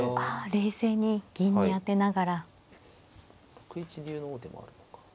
６一竜の王手もあるのか。